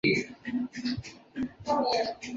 沮渠秉卢水胡人。